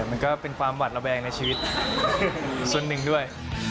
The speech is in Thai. มันก็เป็นความหวัดระแวงในชีวิตส่วนหนึ่งด้วย